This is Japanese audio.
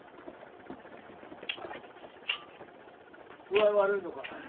具合悪いのかい？